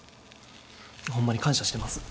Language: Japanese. ホンマに感謝してます。